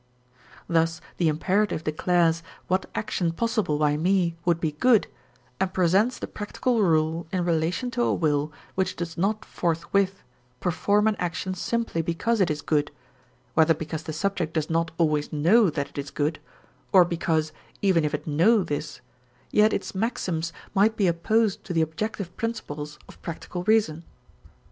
Thus the imperative declares what action possible by me would be good and presents the practical rule in relation to a will which does not forthwith perform an action simply because it is good, whether because the subject does not always know that it is good, or because, even if it know this, yet its maxims might be opposed to the objective principles of practical reason.